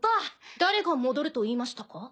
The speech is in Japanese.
誰が戻ると言いましたか。